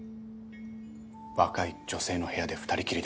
若い女性の部屋で２人きりで。